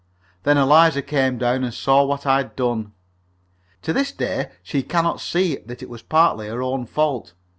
Then Eliza came down and saw what I had done. To this day she cannot see that it was partly her own fault.